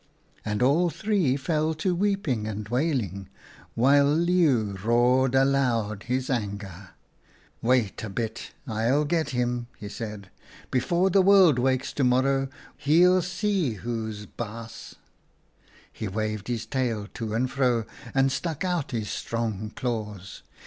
'" And all three fell to weeping and wailing, while Leeuw roared aloud in his anger. "' Wait a bit, I'll get him,' he said. ' Be fore the world wakes to morrow he'll see who's baas.' " He waved his tail to and fro and stuck out his strong claws.